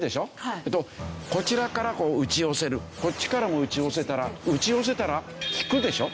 そうするとこちらからこう打ち寄せるこっちからも打ち寄せたら打ち寄せたら引くでしょ？